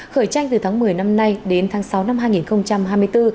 khởi tranh từ tháng một mươi năm nay đến tháng sáu năm hai nghìn hai mươi bốn